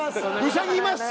うさぎいます。